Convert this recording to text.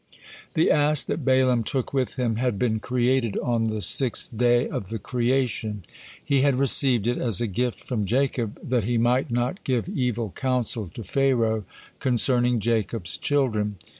The ass that Balaam took with him had been created on the sixth day of the creation. He had received it as a gift from Jacob, that he might not give evil counsel to Pharaoh concerning Jacob's children.